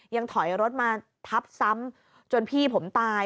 ยังถอยรถมาทับซ้ำจนพี่ผมตาย